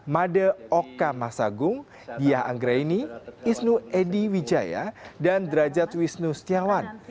made oka masagung dia anggreni isnu edy wijaya dan drajat wisnu setiawan